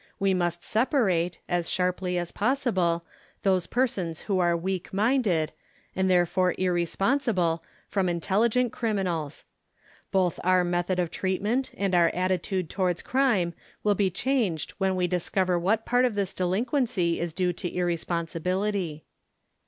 We must separate, as sharply as possible, those persons who are weak minded, and therefore irresponsible, from intelli gent criminals. Both our method of treatment and our attitude towards crime will be changed when we discover what part of this delinquency is due to irresponsibility.